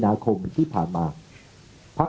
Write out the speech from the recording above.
และการแสดงสมบัติของแคนดิเดตนายกนะครับ